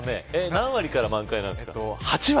何割から満開なんですか。